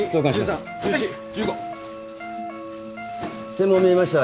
声門見えました。